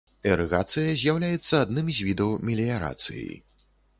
Ірыгацыя з'яўляецца адным з відаў меліярацыі.